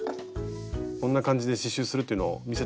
こんな感じで刺しゅうするっていうのを見せて下さい。